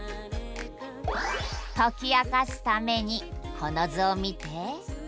解き明かすためにこの図を見て。